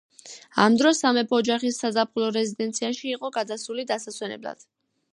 ამ დროს სამეფო ოჯახი საზაფხულო რეზიდენციაში იყო გადასული დასასვენებლად.